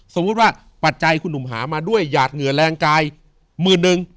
สมมุติว่าปัจจัยคุณหนุ่มหามาด้วยหยาดเหงื่อแรงกายหมื่นนึง